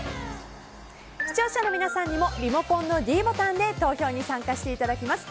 視聴者の皆さんにもリモコンのｄボタンで投票に参加していただきます。